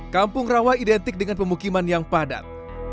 kampung rawa identik dengan pemukiman yang padat